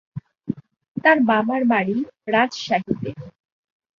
তার বাবার বাড়ি রাজশাহীতে।